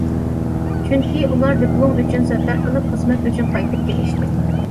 چۈنكى ئۇلار دىپلوم ئۈچۈن سەپەر قىلىپ، خىزمەت ئۈچۈن قايتىپ كېلىشتى.